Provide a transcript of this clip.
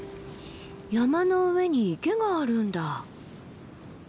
山の上に池があるんだ。